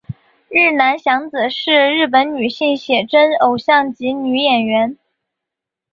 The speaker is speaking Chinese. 日南响子是日本女性写真偶像及女演员。